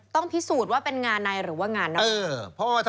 ต้องพิสูจน์ว่าเป็นงานในหรือว่างานนอก